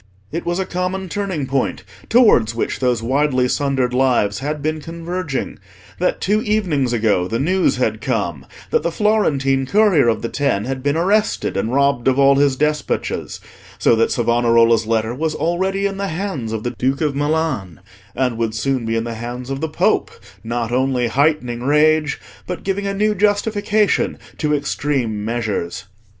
It was a common turning point towards which those widely sundered lives had been converging, that two evenings ago the news had come that the Florentine courier of the Ten had been arrested and robbed of all his despatches, so that Savonarola's letter was already in the hands of the Duke of Milan, and would soon be in the hands of the Pope, not only heightening rage, but giving a new justification to extreme measures.